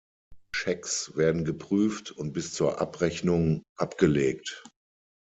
Schecks werden geprüft und bis zur Abrechnung abgelegt.